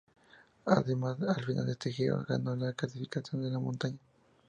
Además al final de ese Giro, ganó la clasificación de la montaña.